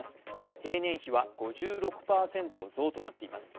平年比は５６％増となっています。